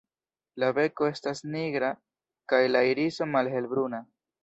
La beko estas nigra kaj la iriso malhelbruna.